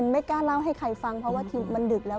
ไม่กล้าเล่าให้ใครฟังเพราะว่ามันดึกแล้ว